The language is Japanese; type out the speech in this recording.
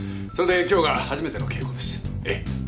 それで今日が初めての稽古です。